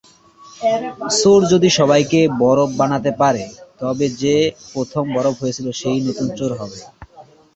চোর যদি সবাইকে বরফ বানাতে পারে, তবে যে প্রথম বরফ হয়েছিলো সেই নতুন চোর হবে।